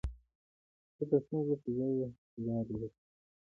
زه د ستونزو پر ځای، حللاري لټوم.